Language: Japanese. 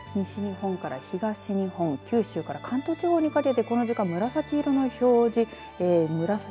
西日本から東日本九州から関東地方にかけてこの時間、紫色の表示。